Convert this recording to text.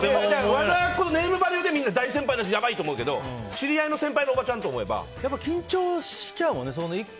和田アキ子のネームバリューで大先輩だしやばいと思うけど知り合いの先輩のおばちゃんと緊張しちゃうもんね。